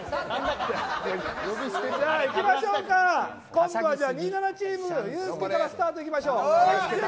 今度は「２７」チームユースケからスタートでいきましょう。